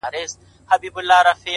• د حیرت ګوته په غاښ ورته حیران وه ,